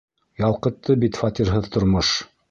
Ялҡытты бит фатирһыҙ тормош!